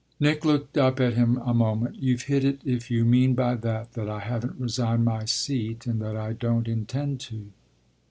Nick looked up at him a moment. "You've hit it if you mean by that that I haven't resigned my seat and that I don't intend to."